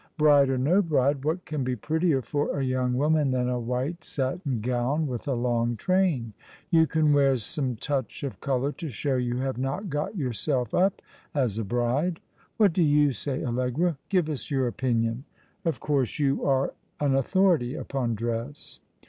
Bride or no bride, what can be prettier for a young woman than a white satin gown with a long train ? You can wear some touch of colour to show you have not got yourself up as a bride. What do you say, Allegra? Give us your opinion. Of course you are an authority upon dress."